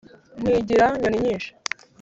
nkigira nyoninyinshi